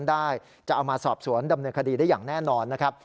ได้จะเอามาสอบสวนดำเนินคดีได้อย่างแน่นอนนะครับ